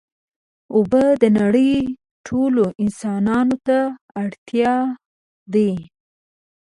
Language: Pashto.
اوبه د نړۍ ټولو انسانانو ته اړتیا دي.